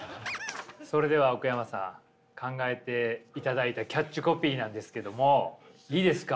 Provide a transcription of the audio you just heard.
それでは奥山さん考えていただいたキャッチコピーなんですけどもいいですか？